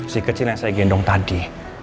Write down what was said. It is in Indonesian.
si kecil yang saya gendong tadi